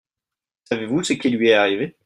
Savez-vous ce qui lui est arrivé ?